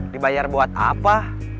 dibayar buat apa